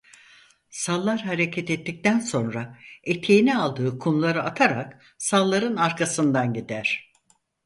Sallar hareket ettikten sonra eteğine aldığı kumları atarak salların arkasından gider.